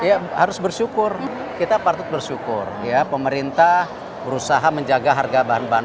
ya harus bersyukur kita patut bersyukur ya pemerintah berusaha menjaga harga bahan bahan